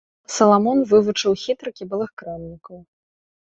Саламон вывучыў хітрыкі былых крамнікаў.